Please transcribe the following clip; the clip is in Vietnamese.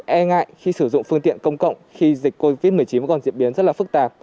e ngại khi sử dụng phương tiện công cộng khi dịch covid một mươi chín còn diễn biến rất là phức tạp